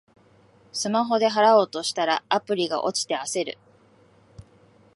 スマホで払おうとしたら、アプリが落ちて焦る